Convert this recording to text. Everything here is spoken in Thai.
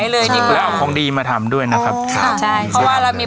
แล้วของดีมาทำด้วยนะครับค่ะใช่เพราะว่าเรามี